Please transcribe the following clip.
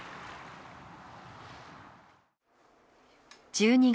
１２月。